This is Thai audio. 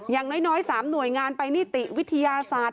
อย่างน้อย๓หน่วยงานไปนิติวิทยาศาสตร์